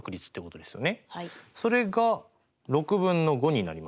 それが６分の５になります。